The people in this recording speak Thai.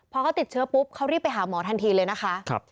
พอเขาติดเชื้อปุ๊บเขารีบไปหาหมอทันทีเลยนะคะ